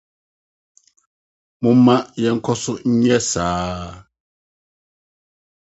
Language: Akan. Momma yɛnkɔ so nyɛ saa.